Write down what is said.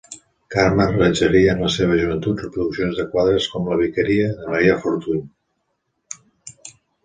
Carme realitzaria en la seva joventut reproduccions de quadres com La Vicaria, de Marià Fortuny.